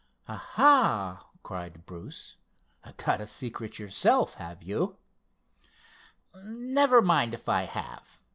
"Aha!" cried Bruce—"got a secret yourself, have you?" "Never mind if I have.